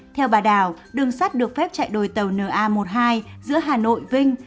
theo bà đào đường sắt được phép chạy đổi tàu na một mươi hai giữa hà nội vinh